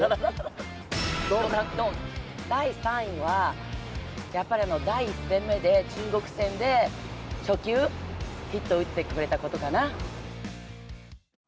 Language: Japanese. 第３位はやっぱり第１戦目の中国戦で初球、ヒットを打ってくれたことかな。